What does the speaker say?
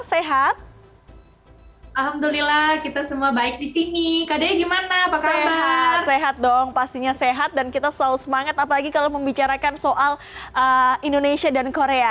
sehat dong pastinya sehat dan kita selalu semangat apalagi kalau membicarakan soal indonesia dan korea